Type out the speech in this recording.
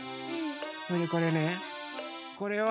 それでこれねこれは。